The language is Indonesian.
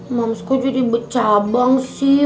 mamsku jadi becabang sih